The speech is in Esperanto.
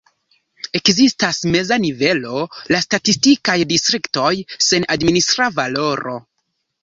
Ekzistas meza nivelo, la statistikaj distriktoj, sen administra valoro.